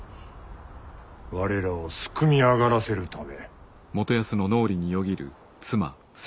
我らをすくみ上がらせるため。